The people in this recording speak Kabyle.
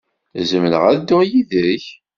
Zemreɣ ad dduɣ yid-k?